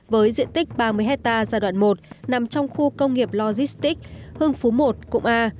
với diện tích ba mươi hectare giai đoạn một nằm trong khu công nghiệp logistics hưng phú i cụm a